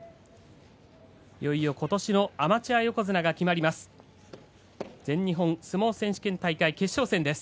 いよいよことしのアマチュア横綱が決まります。